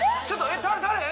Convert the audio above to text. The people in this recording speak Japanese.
ちょっとえっ誰誰？